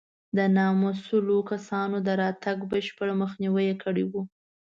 د نامسوولو کسانو د راتګ بشپړ مخنیوی یې کړی و.